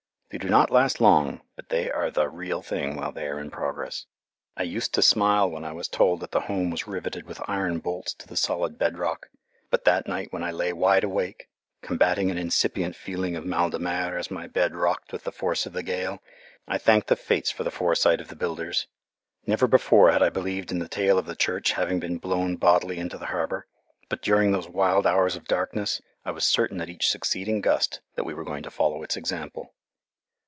They do not last long, but they are the real thing while they are in progress. I used to smile when I was told that the Home was riveted with iron bolts to the solid bedrock, but that night when I lay wide awake, combating an incipient feeling of mal de mer as my bed rocked with the force of the gale, I thanked the fates for the foresight of the builders. Never before had I believed in the tale of the church having been blown bodily into the harbour; but during those wild hours of darkness I was certain at each succeeding gust that we were going to follow its example.